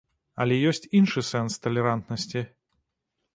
Але ёсць іншы сэнс талерантнасці.